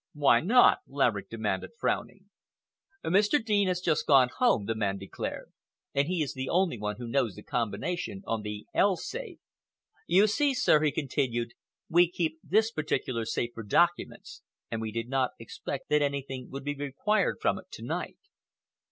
"Why not?" Laverick demanded, frowning. "Mr. Dean has just gone home," the man declared, "and he is the only one who knows the combination on the 'L' safe. You see, sir," he continued, "we keep this particular safe for documents, and we did not expect that anything would be required from it to night."